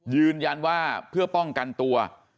ยืนยันว่าเพื่อป้องกันตัว